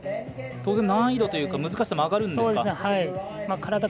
当然、難易度というか難しさも上がるんですか？